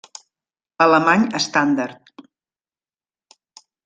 Alemany estàndard.